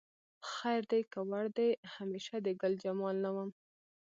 خیر دی که وړ دې همیشه د ګلجمال نه وم